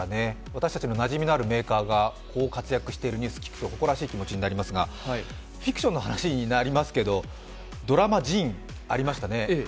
私たちもなじみのあるメーカーが活躍していると誇らしい気持ちになりますが、フィクションの話になりますけどドラマ「仁」ありましたね。